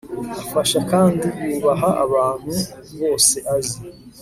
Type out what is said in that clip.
Afasha kandi yubaha abantu bose azi